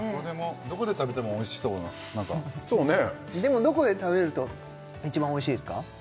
どこで食べてもおいしそうなそうねでもどこで食べると一番おいしいですか？